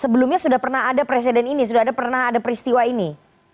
sebelumnya sudah pernah ada presiden ini sudah pernah ada peristiwa ini